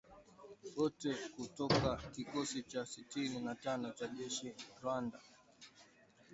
Wote kutoka kikosi cha sitini na tano cha jeshi la Rwanda